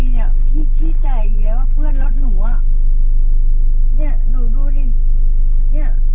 มาแต่อัฟเฟรม